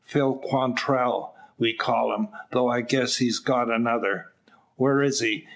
"Phil Quantrell, we call him; though I guess he's got another " "Where is he?"